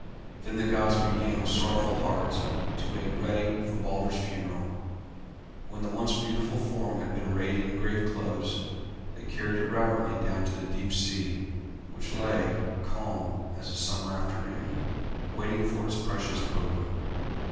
Then the gods began with sorrowful hearts to make ready for Balder's funeral. When the once beautiful form had been arrayed in grave clothes they carried it reverently down to the deep sea, which lay, calm as a summer afternoon, waiting for its precious burden.